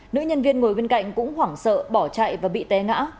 nữ nhân viên ngồi bên cạnh cũng hoảng sợ bỏ chạy và bị té ngã